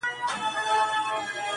څڼور له ټولو څخه ورک دی!!